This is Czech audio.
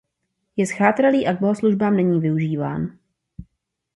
Je zchátralý a k bohoslužbám není využíván.